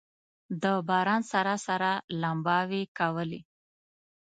د باران سره سره لمباوې کولې.